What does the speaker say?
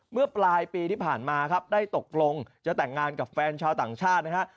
เมื่อปลายปีที่ผ่านมาครับได้ตกลงจะแต่งงานกับแฟนชาวต่างชาตินะฮะ